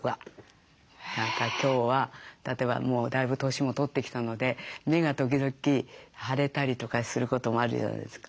何か今日は例えばもうだいぶ年も取ってきたので目が時々腫れたりとかすることがあるじゃないですか。